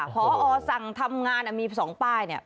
พอสั่งทำงานมี๒ป้ายเนี่ย